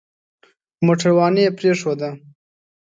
موټرواني يې پرېښوده.